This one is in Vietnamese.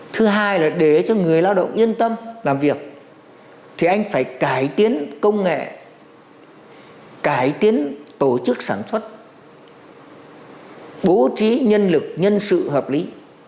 thứ hai là để cho người lao động yên tâm làm việc thì anh phải cải tiến công nghệ cải tiến tổ chức sản xuất bố trí nhân lực nhân sự hợp lý